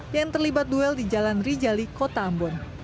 yang terlibat duel di jalan rijali kota ambon